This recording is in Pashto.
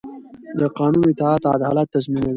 د قانون اطاعت عدالت تضمینوي